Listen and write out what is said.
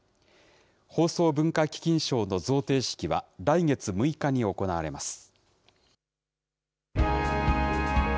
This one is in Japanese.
放送文化基金賞の贈呈式は、来月６日に行われます。